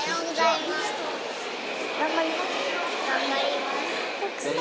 頑張りますって。